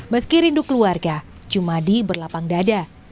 meski rindu keluarga jumadi berlapang dada